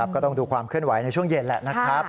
ก็ต้องดูความเคลื่อนไหวในช่วงเย็นแหละนะครับ